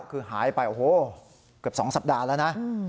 คือหายไปเกือบ๒สัปดาห์แล้ว